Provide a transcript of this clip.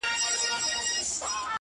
دا ستا خبري مي د ژوند سرمايه،